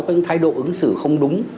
có những thái độ ứng xử không đúng